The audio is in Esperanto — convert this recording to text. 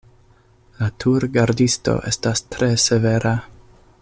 La turgardisto estas tre severa.